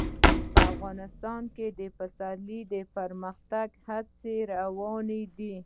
افغانستان کې د پسرلی د پرمختګ هڅې روانې دي.